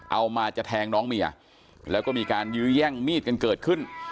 เอามาจะแทงน้องเมียแล้วก็มีการยื้อแย่งมีดกันเกิดขึ้น